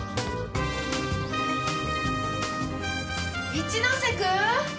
一ノ瀬君？